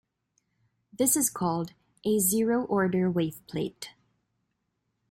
This is called a "zero-order waveplate".